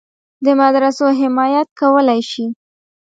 د مدرسو حمایت کولای شي.